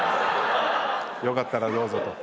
よかったらどうぞ。